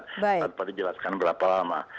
tidak boleh dijelaskan berapa lama